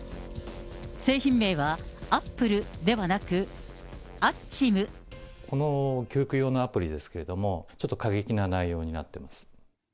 製品名はアップルではなく、アッこの教育用のアプリですけれども、ちょっと過激な内容になってます。